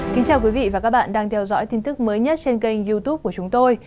kính chào quý vị và các bạn đang theo dõi tin tức mới nhất trên kênh youtube của chúng tôi